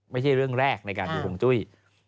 ไม่ใช่เรื่องแรกในการดูห่วงจุ้ย